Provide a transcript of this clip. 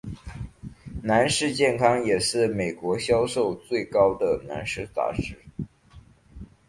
男士健康也是美国销量最高的男性杂志。